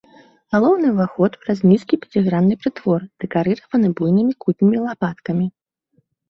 Галоўны ўваход праз нізкі пяцігранны прытвор дэкарыраваны буйнымі кутнімі лапаткамі.